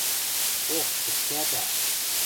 – Ох, пӹцкӓтӓ!